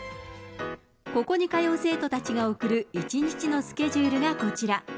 ここに通う生徒たちが送る１日のスケジュールがこちら。